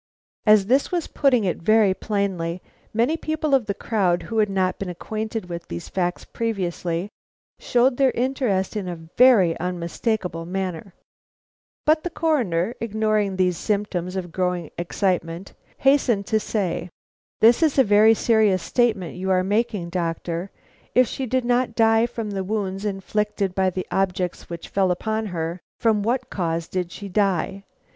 As this was putting it very plainly, many of the crowd who had not been acquainted with these facts previously, showed their interest in a very unmistakable manner; but the Coroner, ignoring these symptoms of growing excitement, hastened to say: "This is a very serious statement you are making, doctor. If she did not die from the wounds inflicted by the objects which fell upon her, from what cause did she die?